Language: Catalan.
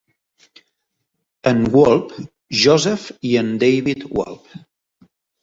En Wolpe, Joseph i en David Wolpe.